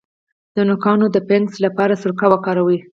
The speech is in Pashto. د نوکانو د فنګس لپاره سرکه وکاروئ